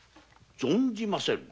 存じませぬ。